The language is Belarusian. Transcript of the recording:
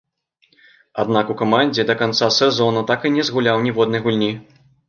Аднак у камандзе да канца сезону так і не згуляў ніводнай гульні.